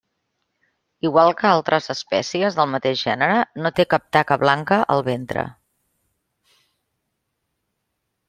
Igual que altres espècies del mateix gènere, no té cap taca blanca al ventre.